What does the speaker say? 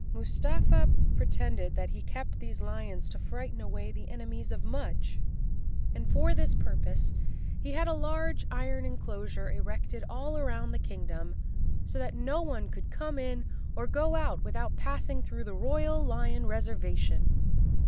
Mus¬ tafa pretended that he kept these lions to frighten away the enemies of Mudge, and for this purpose he had a large iron enclosure erected all around the king¬ dom, so that no one could come in or go out without passing through the royal lion reservation.